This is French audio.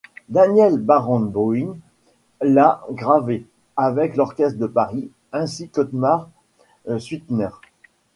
Daniel Barenboïm l'a gravé, avec l'Orchestre de Paris, ainsi qu'Otmar Suitner.